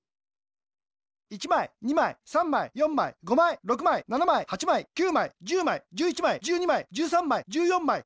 １まい２まい３まい４まい５まい６まい７まい８まい９まい１０まい１１まい１２まい１３まい１４まい。